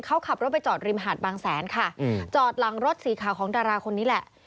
เขาขับรถไปจอดริมหาดบางแสนค่ะจอดหลังรถสีขาวของดาราคนนี้แหละ